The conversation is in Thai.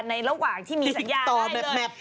ในระหว่างที่มีสัญญาได้เลย